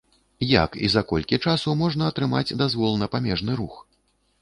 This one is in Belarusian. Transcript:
Як і за колькі часу можна атрымаць дазвол на памежны рух?